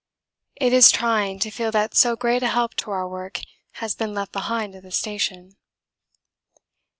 It is trying to feel that so great a help to our work has been left behind at the station.